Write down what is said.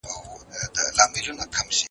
پایلې وړاندې کړه.